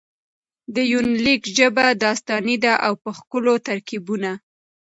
د يونليک ژبه داستاني ده او په ښکلو ترکيبونه.